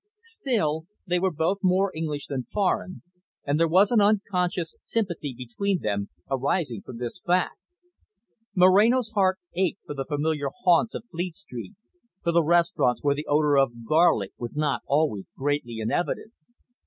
Still, they were both more English than foreign, and there was an unconscious sympathy between them arising from this fact. Moreno's heart ached for the familiar haunts of Fleet Street, for the restaurants where the odour of garlic was not always greatly in evidence.